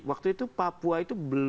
waktu itu papua itu belum diperdapatkan